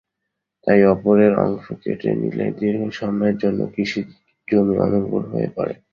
তাই ওপরের অংশ কেটে নিলে দীর্ঘ সময়ের জন্য কৃষিজমি অনুর্বর হয়ে পড়ে।